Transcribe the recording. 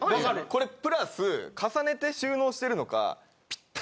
これプラス重ねて収納してるのか。